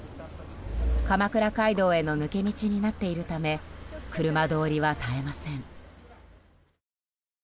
鎌倉街道への抜け道になっているため車通りは絶えません。